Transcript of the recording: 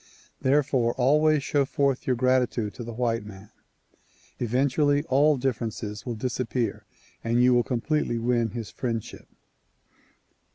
Therefore always show forth your gratitude to the white man. Eventually all differences will dis appear and you will completely win his friendship.